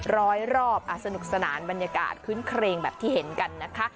ร้อยรอบสนุกสนานบรรยากาศคื้นเครงแบบที่เห็นกันนะคะ